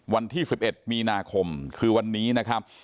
วันที่๑๑มีนาคมคือวันนี้นะครับ